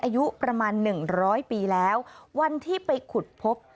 อายุประมาณ๑๐๐ปีแล้ววันที่ไปขุดพบ